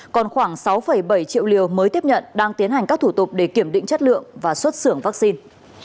còn khoảng sáu bảy triệu liều mới tiếp nhận đang tiến hành các thủ tục để kiểm định chất lượng và xuất xưởng vaccine